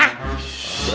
ya saya mau kondangan